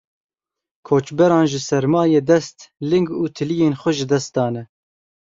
Koçberan ji sermayê dest, ling û tiliyên xwe ji dest dane.